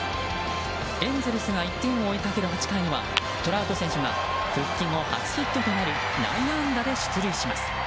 エンゼルスが１点を追いかける８回にはトラウト選手が復帰後初ヒットとなる内野安打で出塁します。